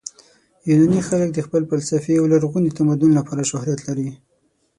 یوناني خلک د خپل فلسفې او لرغوني تمدن لپاره شهرت لري.